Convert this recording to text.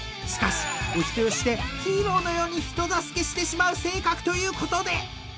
［しかしお人よしでヒーローのように人助けしてしまう性格ということで］